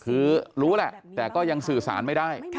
คือรู้แหละแต่ก็ยังสื่อสารไม่ได้